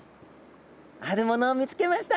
あるものを見つけました。